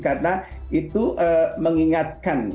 karena itu mengingatkan